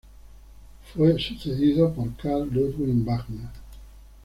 Fue sucedido por Carl Ludwig Wagner.